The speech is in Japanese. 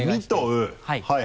はい。